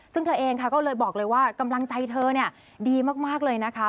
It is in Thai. ซึ่งเธอเองเลยบอกเลยว่ากำลังใจเธอดีมากเลยนะคะ